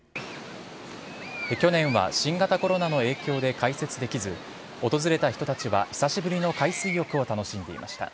去年は新型コロナの影響で開設できず、訪れた人たちは久しぶりの海水浴を楽しんでいました。